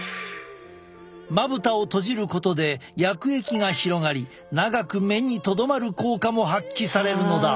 まぶたを閉じることで薬液が広がり長く目にとどまる効果も発揮されるのだ！